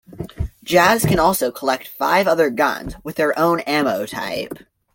Jazz can also collect five other guns with their own ammo type.